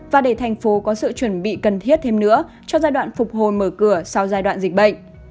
và để thành phố có sự chuẩn bị cần thiết thêm nữa cho giai đoạn phục hồi mở cửa sau giai đoạn dịch bệnh